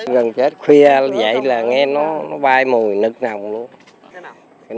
gần cho hết khuya dậy là nghe nó bay mùi nực nồng luôn